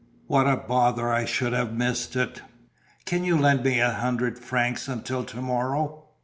What a bother I should have missed it! Can you lend me a hundred francs until to morrow?"